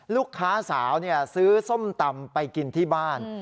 ลูกสาวซื้อส้มตำไปกินที่บ้าน